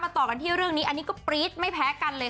ต่อกันที่เรื่องนี้อันนี้ก็ปรี๊ดไม่แพ้กันเลย